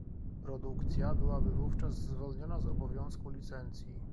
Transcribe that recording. Produkcja byłaby wówczas zwolniona z obowiązku licencji